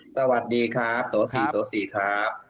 สวัสดีครับสวัสดีสวัสดีครับ